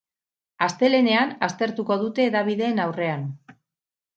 Astelehenean aurkeztuko dute hedabideen aurrean.